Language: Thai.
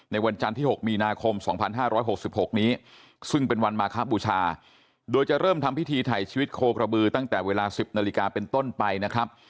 วันจันทร์ที่๖มีนาคม๒๕๖๖นี้ซึ่งเป็นวันมาคบูชาโดยจะเริ่มทำพิธีถ่ายชีวิตโคกระบือตั้งแต่เวลา๑๐นาฬิกาเป็นต้นไปนะครับ